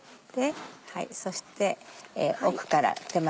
そして奥から手前